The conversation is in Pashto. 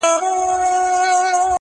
شرمنده به د پردیو مزدوران سي!